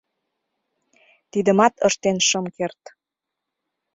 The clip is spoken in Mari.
Тидымат ыштен шым керт.